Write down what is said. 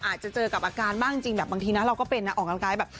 อาจจะเจอกับอาการบ้างจริงแบบบางทีนะเราก็เป็นนะออกกำลังกายแบบ